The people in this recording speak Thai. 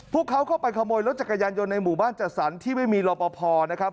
พวกเขาเข้าไปขโมยรถจักรยานยนต์ในหมู่บ้านจัดสรรที่ไม่มีรอปภนะครับ